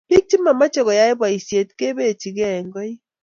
biik che momechei koyay boisie kobechiegei eng koik.